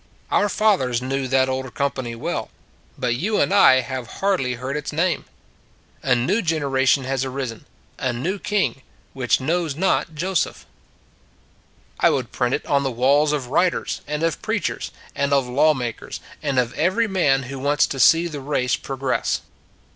Our fathers knew that older company well; but you and I have hardly heard its name. A new generation has arisen, a new king, which knows not Joseph. I would print it on the walls of writers, and of preachers, and of law makers, and of every man who wants to see the race progress.